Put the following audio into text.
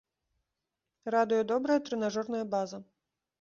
Радуе добрая трэнажорная база.